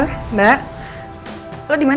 nggak ada di jakarta